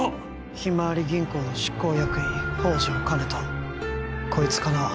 ひまわり銀行の執行役員宝条兼人こいつかな